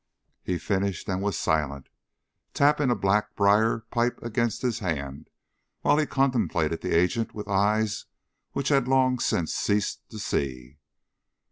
He finished and was silent, tapping a black briar pipe against his hand while he contemplated the agent with eyes which had long since ceased to see.